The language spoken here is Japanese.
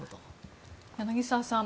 柳澤さん